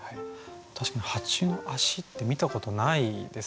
確かに蜂の足って見たことないです意識して。